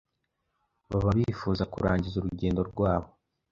baba bifuza kurangiza urugendo rwabo